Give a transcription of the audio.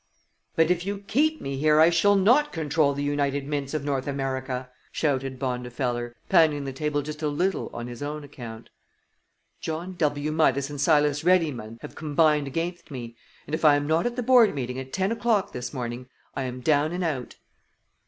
"But if you keep me here I shall not control the United Mints of North America!" shouted Bondifeller, pounding the table just a little on his own account. "John W. Midas and Silas Reddymun have combined against me, and if I am not at the board meeting at ten o'clock this morning I am down and out."